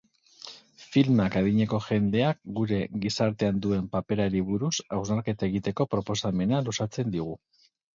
Filmak adineko jendeak gure gizartean duen paperari buruz hausnarketa egiteko proposamena luzatzen digu.